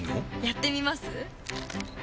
やってみます？